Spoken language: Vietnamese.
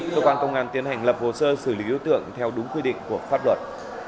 cơ quan công an tiến hành lập hồ sơ xử lý ưu tượng theo đúng quy định của pháp luật